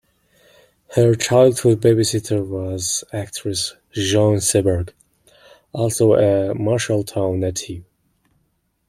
Her childhood babysitter was actress Jean Seberg, also a Marshalltown native.